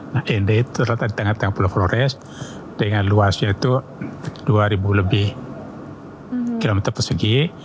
nah nd itu terletak di tengah tengah pulau flores dengan luasnya itu dua ribu lebih kilometer persegi